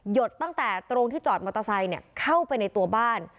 ดตั้งแต่ตรงที่จอดมอเตอร์ไซค์เข้าไปในตัวบ้าน